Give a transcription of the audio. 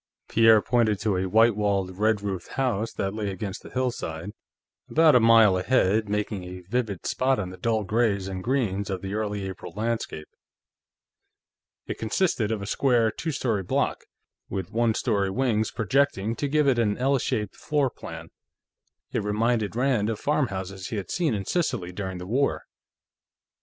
Pierre pointed to a white walled, red roofed house that lay against a hillside, about a mile ahead, making a vivid spot in the dull grays and greens of the early April landscape. It consisted of a square two story block, with one story wings projecting to give it an L shaped floorplan. It reminded Rand of farmhouses he had seen in Sicily during the War.